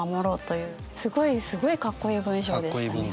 すごいすごいかっこいい文章でしたね。